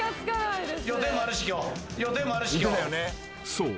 ［そう。